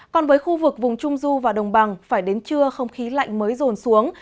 còn với khu vực vùng trung du và đồng bằng phải đến trưa không khí lạnh mới rồn xuống